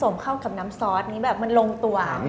ใช่แล้วผสมเข้ากับน้ำซอสมันโรงตัว